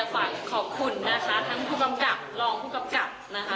ฝากขอบคุณนะคะทั้งผู้กำกับรองผู้กำกับนะคะ